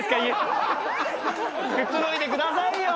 くつろいでくださいよ。